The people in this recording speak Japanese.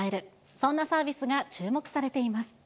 そんなサービスが注目されています。